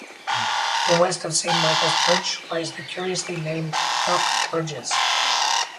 To the west of St.Michael's Church lies the curiously named 'Nock Verges'.